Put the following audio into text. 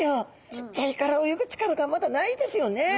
ちっちゃいから泳ぐ力がまだないですよね。